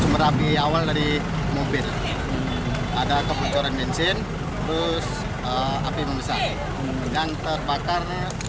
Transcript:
merapi awal dari mobil ada kebocoran bensin terus api membesar yang terbakar